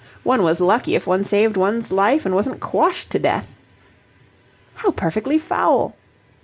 One was lucky if one saved one's life and wasn't quashed to death." "How perfectly foul!"